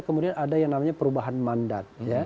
kemudian ada yang namanya perubahan mandat